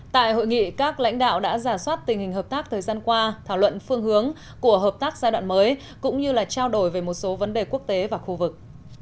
tại hội nghị các lãnh đạo đã giả soát tình hình hợp tác thời gian qua thảo luận phương hướng của hợp tác giai đoạn mới cũng như là trao đổi về một số vấn đề quốc tế và khu vực